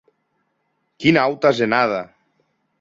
Quina auta asenada!